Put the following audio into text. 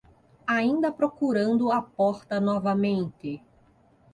Ainda procurando a porta novamente